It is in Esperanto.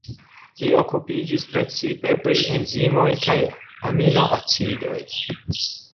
Li okupiĝis precipe pri enzimoj kaj Aminoacidoj.